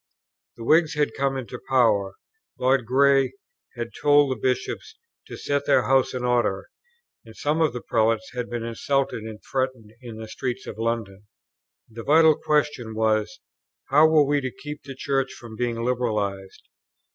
The Whigs had come into power; Lord Grey had told the Bishops to set their house in order, and some of the Prelates had been insulted and threatened in the streets of London. The vital question was, how were we to keep the Church from being liberalized?